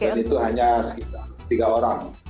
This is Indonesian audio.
dan itu hanya sekitar tiga orang